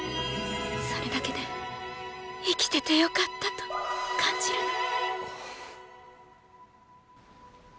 それだけで生きててよかったと感じるの。